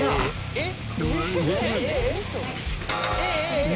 えっ？